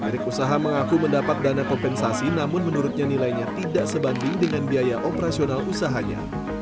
pemilik usaha mengaku mendapat dana kompensasi namun menurutnya nilainya tidak sebanding dengan biaya operasional usahanya